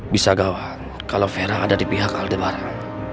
bisa gawat kalau vera ada di pihak aldebaran